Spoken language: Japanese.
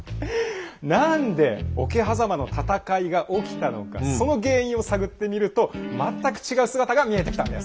何で桶狭間の戦いが起きたのかその原因を探ってみると全く違う姿が見えてきたんです。